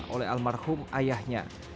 oleh almarhum ayahnya